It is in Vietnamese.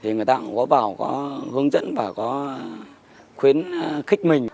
người ta cũng có vào có hướng dẫn và có khuyến khích mình